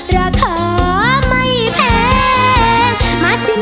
ราคาไม่แพง